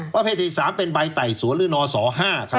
ประเภทที่๓เป็นใบไต่สวนหรือนศ๕ครับ